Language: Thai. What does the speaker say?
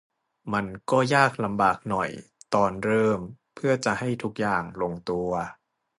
มันก็ยากลำบากหน่อยตอนเริ่มเพื่อจะให้ทุกอย่างลงตัว